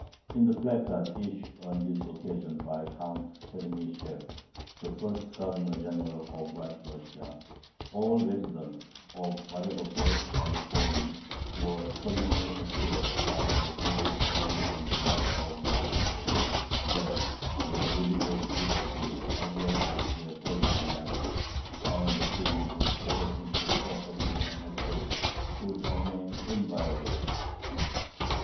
In the "Placard" issued on this occasion by Count Chernyshev, the first Governor General of White Russia, all residents, "of whatever birth and calling," were "solemnly assured by the sacred name and word of the Empress," that their religious liberty as well as their personal rights, and the privileges attaching to property and estate, would remain inviolate.